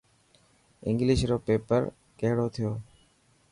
انگلش رو پيپر ڪهڙو ٿيو.